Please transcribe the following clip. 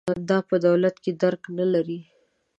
دا په دولت کې درک نه لري.